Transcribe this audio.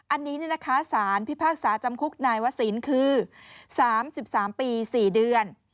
อันนี้สารพิพากษาจำคุกนายวศิลป์คือ๓๓ปี๔เดือน